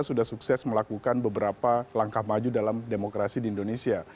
sudah sukses melakukan beberapa langkah maju dalam demokrasi di indonesia